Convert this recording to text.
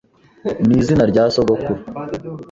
n izina rya sogokuru